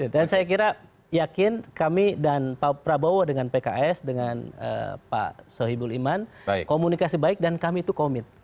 saya kira yakin kami dan pak prabowo dengan pks dengan pak sohibul iman komunikasi baik dan kami itu komit